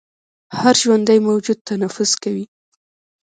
هر ژوندی موجود تنفس کوي